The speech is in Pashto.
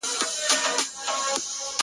روهیلۍ د روهستان مي څه ښه برېښي.